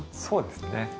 そうですね。